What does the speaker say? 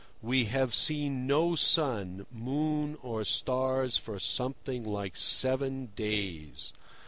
We have seen no sun, moon, or stars for something like seven days.